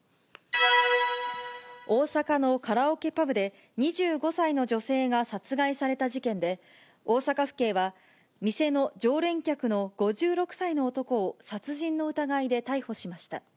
大阪のカラオケパブで、２５歳の女性が殺害された事件で、大阪府警は、店の常連客の５６歳の男を殺人の疑いで逮捕しました。